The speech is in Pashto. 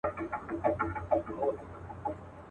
غلیمان به یې تباه او نیمه خوا سي.